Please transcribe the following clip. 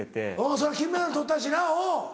そら金メダル取ったしなおぉ。